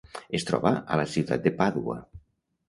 Es troba a la ciutat de Pàdua.